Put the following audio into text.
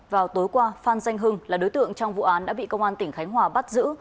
vào tối qua phan danh hưng là đối tượng trong vụ án đã bị công an tỉnh khánh hòa bắt giữ